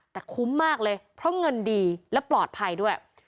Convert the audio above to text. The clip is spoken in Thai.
แต่คุ้มมากเลยเพราะเงินดีและปลอดภัยด้วย